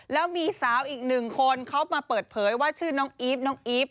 แล้วมีสาวอีกหนึ่งคนเขามาเปิดเผยว่าชื่อน้องอีฟน้องอีฟ